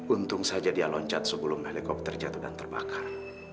untung saja dia loncat sebelum helikopter jatuh dan terbakar